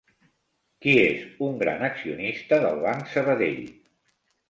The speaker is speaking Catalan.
Qui és un gran accionista del Banc Sabadell?